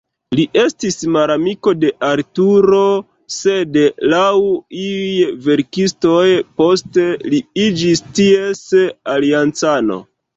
Li estis malamiko de Arturo, sed, laŭ iuj verkistoj, poste li iĝis ties aliancano.